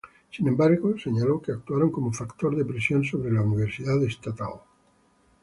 Sin embargo, señalo que actuaron como factor de presión sobre la universidad estatal.